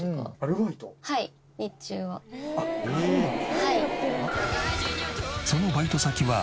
はい。